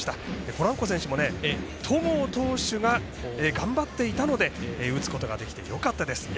ポランコ選手も戸郷投手が頑張っていたので打つことができてよかったですと。